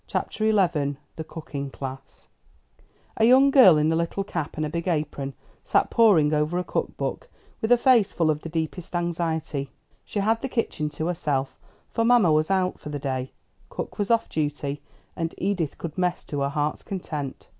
THE COOKING CLASS A young girl in a little cap and a big apron sat poring over a cook book, with a face full of the deepest anxiety. She had the kitchen to herself, for mamma was out for the day, cook was off duty, and Edith could mess to her heart's content.